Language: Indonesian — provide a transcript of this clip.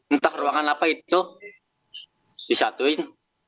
entah ruangan apa itu disatuin